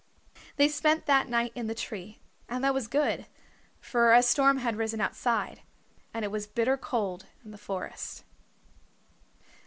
They spent that night in the tree, and that was good, for a storm had risen outside, and it was bitter cold in the forest.